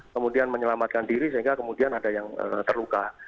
kemudian menyelamatkan diri sehingga kemudian ada yang terluka